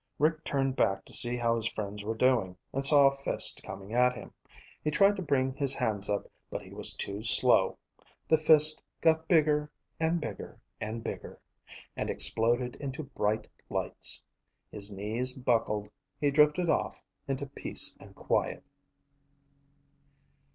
Rick turned back to see how his friends were doing and saw a fist coming at him. He tried to bring his hands up, but he was too slow. The fist got bigger and bigger and bigger and exploded into bright lights. His knees buckled. He drifted off into peace and quiet.